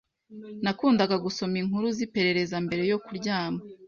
Nakundaga gusoma inkuru ziperereza mbere yo kuryama.